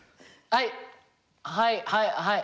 はいはいはい！